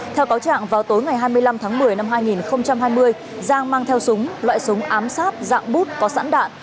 theo cáo trạng vào tối ngày hai mươi năm tháng một mươi năm hai nghìn hai mươi giang mang theo súng loại súng ám sát dạng bút có sẵn đạn